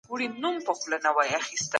ځینې ټولنې ولې له منځه ځي؟